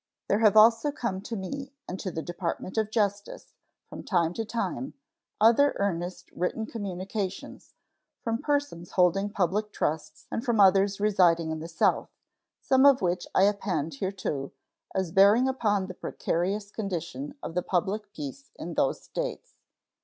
There have also come to me and to the Department of Justice, from time to time, other earnest written communications from persons holding public trusts and from others residing in the South, some of which I append hereto as bearing upon the precarious condition of the public peace in those States.